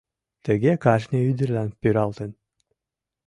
Тыге кажне ӱдырлан пӱралтын.